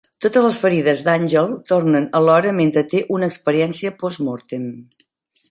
Totes les ferides d'Àngel tornen alhora mentre té una experiència post mortem.